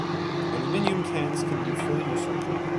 Aluminum cans can be fully recycled.